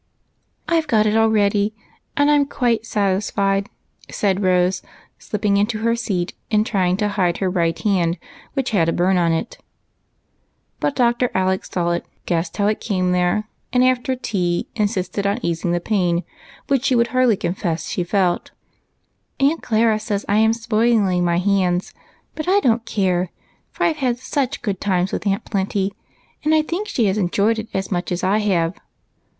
" I 've got it already, and I 'm quite satisfied," said Rose, slipping into her seat, and trying to hide her right hand which had a burn on it. But Dr. Alec saw it, guessed how it came there, and after tea insisted on easing the pain which she w^ould hardly confess. " Aunt Clara says I am spoiling my hands, but I don't care, for I've had such good times with Aunt Plenty, and I think she has enjoyed it as much as I have.